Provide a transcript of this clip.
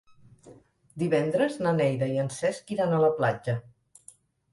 Divendres na Neida i en Cesc iran a la platja.